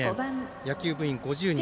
野球部員５０人。